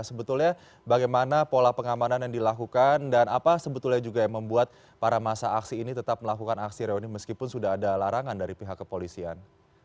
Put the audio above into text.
sebetulnya bagaimana pola pengamanan yang dilakukan dan apa sebetulnya juga yang membuat para masa aksi ini tetap melakukan aksi reuni meskipun sudah ada larangan dari pihak kepolisian